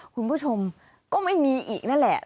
คุณผู้ชมก็ไม่มีอีกนั่นแหละ